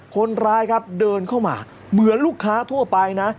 คนร้ายครับเดินเข้ามาเหมือนลูกค้าทั่วไปนะ